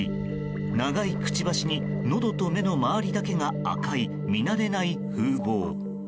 長いくちばしにのどと目の周りだけが赤い見慣れない風貌。